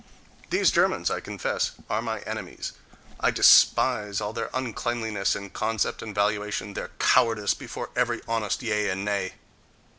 These Germans, I confess, are my enemies: I despise all their uncleanliness in concept and valuation, their cowardice before every honest yea and nay.